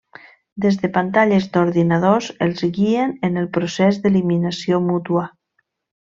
Des de pantalles d'ordinadors els guien en el procés d'eliminació mútua.